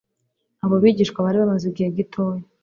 Abo bigishwa bari bamaze igihe gitoya,